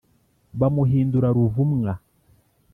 bamuhindura ruvumwa,